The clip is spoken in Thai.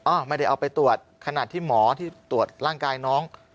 ไม่ได้เอาไปตรวจขนาดที่หมอที่ตรวจร่างกายน้อง